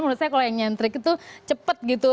menurut saya kalau yang nyentrik itu cepat gitu